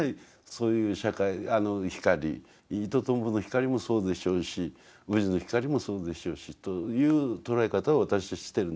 そういう光イトトンボの光もそうでしょうしウジの光もそうでしょうしという捉え方を私はしてるんですよ。